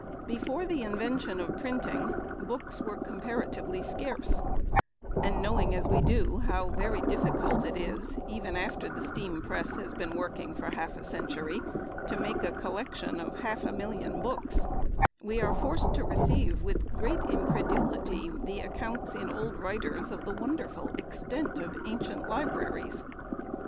Before the invention of Printing, books were comparatively scarce; and, knowing as we do, how very difficult it is, even after the steam press has been working for half a century, to make a collection of half a million books, we are forced to receive with great incredulity the accounts in old writers of the wonderful extent of ancient libraries.